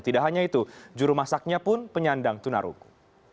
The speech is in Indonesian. tidak hanya itu juru masaknya pun penyandang tuna rungu